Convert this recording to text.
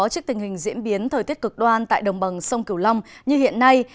trước tình hình diễn biến thời tiết cực đoan tại đồng bằng sông kiều lâm như hiện nay